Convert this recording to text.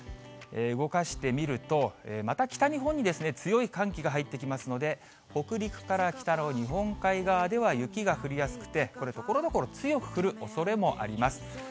動かしてみると、また北日本に強い寒気が入ってきますので、北陸から北の日本海側では雪が降りやすくて、これ、ところどころ強く降るおそれもあります。